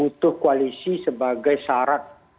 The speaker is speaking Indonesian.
untuk koalisi sebagai syarat